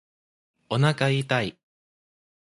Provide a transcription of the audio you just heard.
おなか痛い